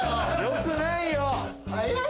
「よくない。